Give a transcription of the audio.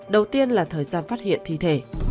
đầu tiên là thời gian phát hiện thi thể